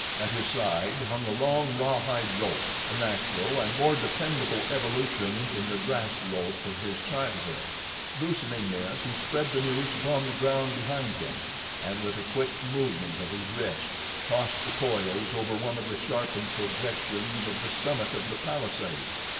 At his side hung a long, rawhide rope—a natural and more dependable evolution from the grass rope of his childhood. Loosening this, he spread the noose upon the ground behind him, and with a quick movement of his wrist tossed the coils over one of the sharpened projections of the summit of the palisade.